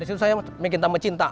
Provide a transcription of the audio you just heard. disitu saya bikin tambah cinta